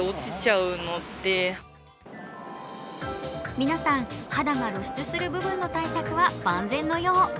皆さん、肌を露出する部分の対策は万全のよう。